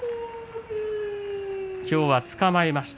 きょうはつかまえました。